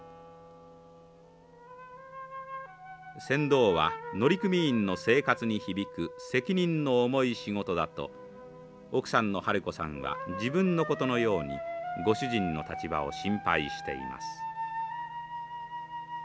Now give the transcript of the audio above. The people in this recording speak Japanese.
船頭は乗組員の生活に響く責任の重い仕事だと奥さんのはるこさんは自分のことのようにご主人の立場を心配しています。